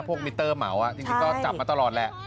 มิเตอร์เหมาจริงก็จับมาตลอดแหละ